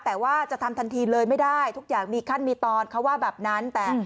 แต่ว่าจะทำทันทีเลยไม่ได้ทุกอย่างมีขั้นมีตอนเขาว่าแบบนั้นแต่